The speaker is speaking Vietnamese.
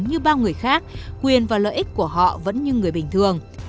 như bao người khác quyền và lợi ích của họ vẫn như người bình thường